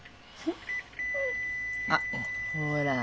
あっほら。